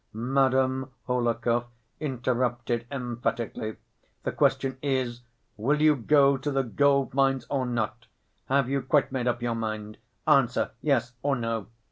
Madame Hohlakov interrupted emphatically. "The question is, will you go to the gold‐mines or not; have you quite made up your mind? Answer yes or no."